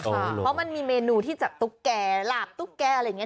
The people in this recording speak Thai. เพราะมันมีเมนูที่จับตุ๊กแก่หลาบตุ๊กแก่อะไรอย่างนี้